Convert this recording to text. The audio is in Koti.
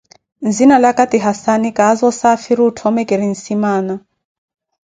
Nzinalaka ti Hassane, kaaza osaafiri otthome kiri nsimaana.